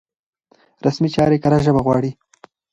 رسمي چارې کره ژبه غواړي.